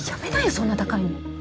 そんな高いの。